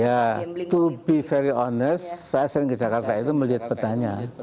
ya to be very owners saya sering ke jakarta itu melihat petanya